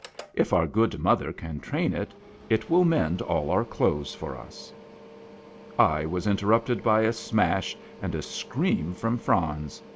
If our good mother can train it, it will mend all our clothes for us." I was interrupted by a smash, and a scream from Franz.